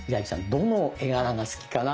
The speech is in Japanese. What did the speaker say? どの絵柄が好きかな？